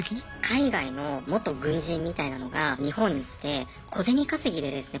海外の元軍人みたいなのが日本に来て小銭稼ぎでですね